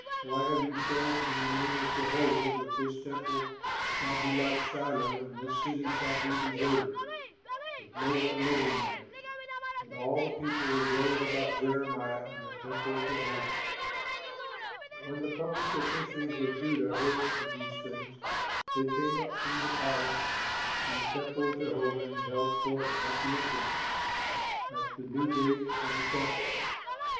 Why have you said in the name of Jehovah that this temple shall be like Shiloh and this city shall be deserted, with no one living in it?" And all the people were gathered about Jeremiah in the temple of Jehovah. But when the public officials of Judah heard of these things, they came up from the palace to the temple of Jehovah and held court at the entrance, at the new gate of the temple.